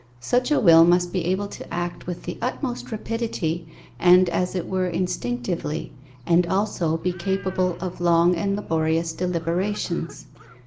Such a will must be able to act with the utmost rapidity, and as it were instinctively, and also be capable of long and laborious deliberations.